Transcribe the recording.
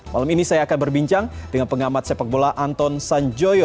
malam ini saya akan berbincang dengan pengamat sepak bola anton sanjoyo